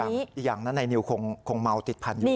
อีกอย่างนั้นนายนิวคงเมาติดพันธุอยู่